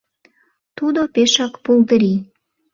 Тудо пешак пулдырий.